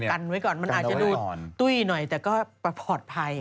กันไว้ก่อนมันอาจจะดูตุ้ยหน่อยแต่ก็ปลอดภัย